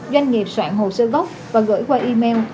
doanh nghiệp soạn hồ sơ gốc và gửi qua email